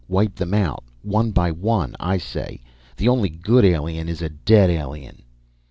Wipe them out, one by one, I say! The only good alien is a dead alien!"